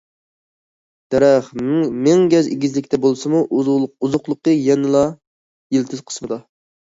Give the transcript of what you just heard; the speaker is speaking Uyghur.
دەرەخ مىڭ گەز ئېگىزلىكتە بولسىمۇ، ئوزۇقلۇقى يەنىلا يىلتىز قىسمىدا.